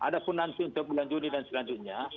ada pun nanti untuk bulan juni dan selanjutnya